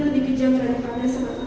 lebih bijak daripada salah satu